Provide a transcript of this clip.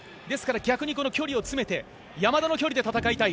逆に距離を詰めて山田の距離で戦いたい。